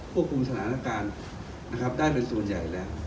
ควบคุมสถานการณ์นะครับได้เป็นส่วนใหญ่แล้ว